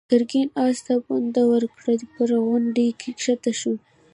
ګرګين آس ته پونده ورکړه، پر غونډۍ کښته شو.